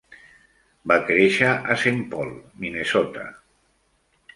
Va créixer a Saint Paul, Minnesota.